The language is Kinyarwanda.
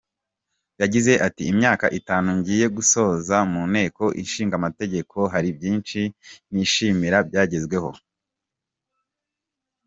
Yagize ati “Imyaka itanu ngiye gusoza mu Nteko Ishinga Amategeko hari byinshi nishimira byagezweho.